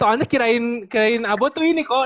soalnya kirain kirain abo tuh ini koko